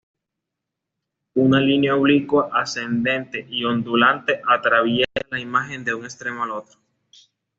Una línea oblicua ascendente y ondulante atraviesa la imagen de un extremo al otro.